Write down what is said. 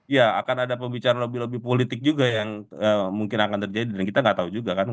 ya akan ada pembicaraan lobby lobby politik juga yang mungkin akan terjadi dan kita nggak tahu juga kan